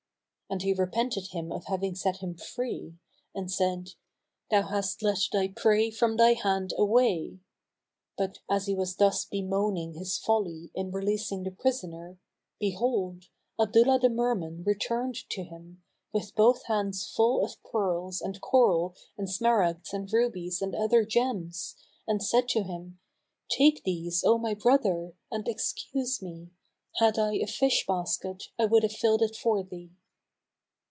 And he repented him of having set him free and said, "Thou hast let thy prey from thy hand away." But, as he was thus bemoaning his folly in releasing the prisoner, behold, Abdullah the merman returned to him, with both hands full of pearls and coral and smaragds and rubies and other gems, and said to him, "Take these, O my brother, and excuse me; had I a fish basket[FN#246] I would have filled it for thee."